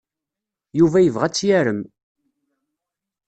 Yuba yebɣa ad tt-yarem.